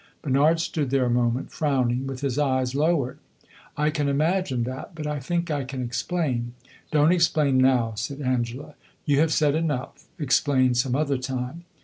Bernard stood there a moment, frowning, with his eyes lowered. "I can imagine that. But I think I can explain." "Don't explain now," said Angela. "You have said enough; explain some other time."